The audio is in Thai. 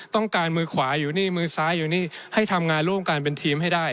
มือขวาอยู่นี่มือซ้ายอยู่นี่ให้ทำงานร่วมกันเป็นทีมให้ได้